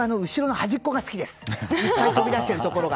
いっぱい飛び出しているところが。